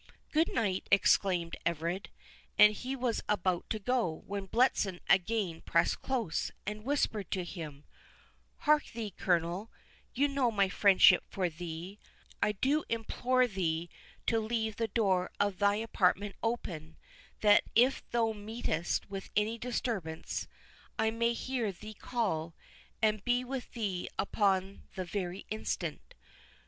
"Good night," exclaimed Everard; and was about to go, when Bletson again pressed close, and whispered to him, "Hark thee, Colonel—you know my friendship for thee—I do implore thee to leave the door of thy apartment open, that if thou meetest with any disturbance, I may hear thee call, and be with thee upon the very instant.